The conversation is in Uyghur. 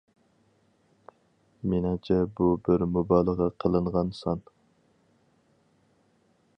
مېنىڭچە بۇ بىر مۇبالىغە قىلىنغان سان.